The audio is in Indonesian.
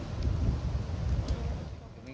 demikian untuk yang kemarin